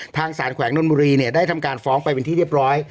ทางสารแขวงนนบุรีเนี่ยได้ทำการฟ้องไปเป็นที่เรียบร้อย